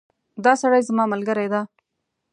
دا سړی زما ملګری ده